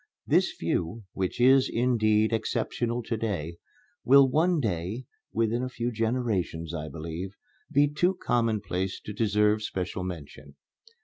This view, which is, indeed, exceptional to day, will one day (within a few generations, I believe) be too commonplace to deserve special mention.